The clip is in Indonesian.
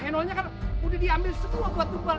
henolnya kan udah diambil semua buat tumpal